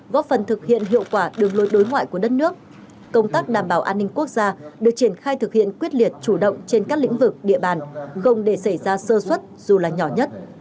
góp phần thực hiện hiệu quả đường lối đối ngoại của đất nước công tác đảm bảo an ninh quốc gia được triển khai thực hiện quyết liệt chủ động trên các lĩnh vực địa bàn không để xảy ra sơ xuất dù là nhỏ nhất